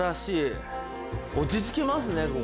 落ち着きますね